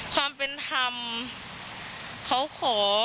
ความเป็นธรรมเขาขอ